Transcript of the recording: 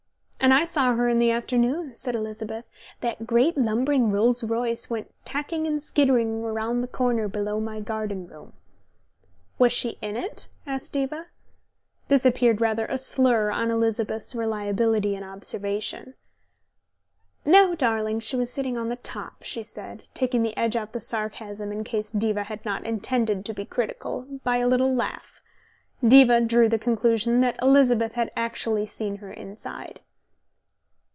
"And I saw her in the afternoon," said Elizabeth. "That great lumbering Rolls Royce went tacking and skidding round the corner below my garden room." "Was she in it?" asked Diva. This appeared rather a slur on Elizabeth's reliability in observation. "No, darling, she was sitting on the top," she said, taking the edge off the sarcasm, in case Diva had not intended to be critical, by a little laugh. Diva drew the conclusion that Elizabeth had actually seen her inside.